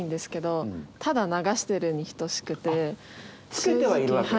つけてはいるわけね？